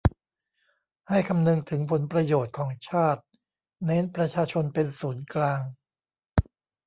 ให้คำนึงถึงผลประโยชน์ของชาติ เน้นประชาชนเป็นศูนย์กลาง